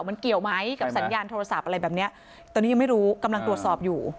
มันเกี่ยวไหมกับสัญญาณโทรศัพท์อะไรแบบเนี้ยตอนนี้ยังไม่รู้กำลังตรวจสอบอยู่